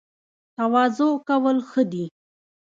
تواضع کول ښه دي